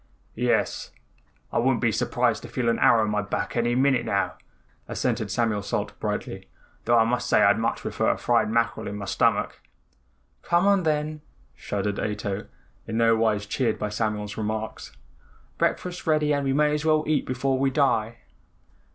"Yes, I wouldn't be surprised to feel an arrow in my back any minute now," assented Samuel Salt brightly, "though I must say I'd much prefer a fried mackerel in my stomach." "Come on then," shuddered Ato, in no wise cheered by Samuel's remarks, "breakfast's ready and we may as well eat before we die."